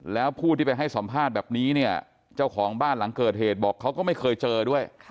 แล้วผู้ที่ไปให้สัมภาษณ์แบบนี้เนี่ยเจ้าของบ้านหลังเกิดเหตุบอกเขาก็ไม่เคยเจอด้วย